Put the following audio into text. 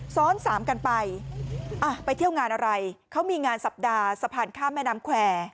ซ้อนสามกันไปอ่ะไปเที่ยวงานอะไรเขามีงานสัปดาห์สะพานข้ามแม่น้ำแควร์